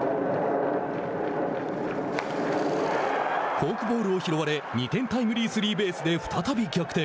フォークボールを拾われ２点タイムリースリーベースで再び逆転。